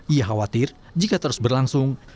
ia khawatir jika terus berlangsung